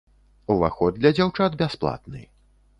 Уваход для дзяўчат бясплатны.